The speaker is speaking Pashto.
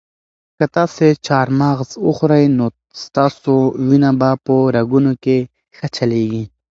که تاسي چهارمغز وخورئ نو ستاسو وینه به په رګونو کې ښه چلیږي.